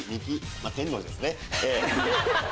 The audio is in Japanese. まぁ天王寺ですね。